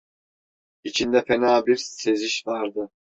İçinde fena bir seziş vardı.